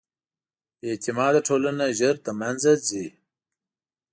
بېاعتماده ټولنه ژر له منځه ځي.